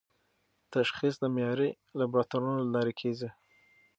تشخیص د معیاري لابراتوارونو له لارې کېږي.